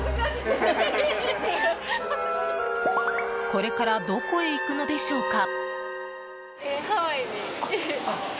これからどこへ行くのでしょうか。